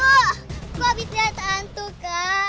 aku takut kak